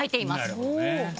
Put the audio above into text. なるほどね。